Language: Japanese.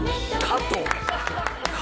加藤？